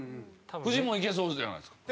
フジモンいけそうじゃないですか。